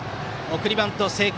送りバント成功。